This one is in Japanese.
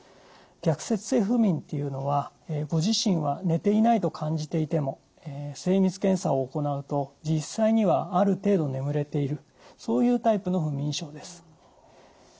逆説性不眠というのはご自身は寝ていないと感じていても精密検査を行うと実際にはある程度眠れているそういうタイプの不眠症です。